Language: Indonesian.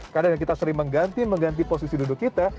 karena yang kita sering mengganti mengganti posisi duduk kita